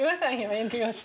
遠慮して。